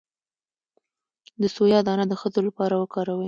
د سویا دانه د ښځو لپاره وکاروئ